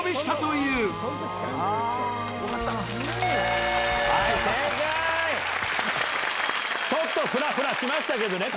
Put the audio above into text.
エコー検査でちょっとふらふらしましたけどね